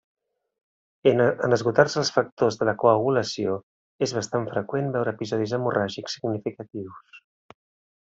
En esgotar-se els factors de la coagulació, és bastant freqüent veure episodis hemorràgics significatius.